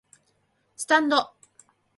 スタンド